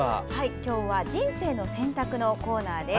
今日は「人生の選択」のコーナーです。